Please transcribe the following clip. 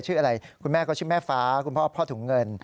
ชื่ออะไรคุณแม่ก็ชื่อแม่ฟ้าคุณพ่อพ่อถุงเงิน